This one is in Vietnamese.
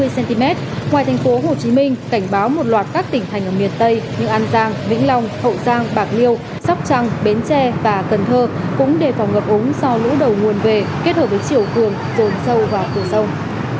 ba mươi cm ngoài thành phố hồ chí minh cảnh báo một loạt các tỉnh thành ở miền tây như an giang vĩnh long hậu giang bạc liêu sóc trăng bến tre và cần thơ cũng đề phòng ngập ống do lũ đầu nguồn về kết hợp với chiều cường rồn sâu vào cửa sông